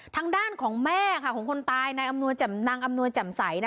ทางด้านของแม่ค่ะของคนตายในอำนวยจำนังอำนวยจำใสนะคะ